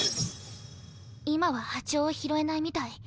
今は波長を拾えないみたい。